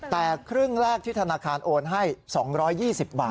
แต่ครึ่งแรกที่ธนาคารโอนให้๒๒๐บาท